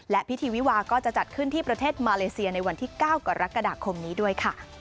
และพิธีวิวาก็จะจัดขึ้นที่ประเทศมาเลเซียในวันที่๙กรกฎาคมนี้ด้วยค่ะ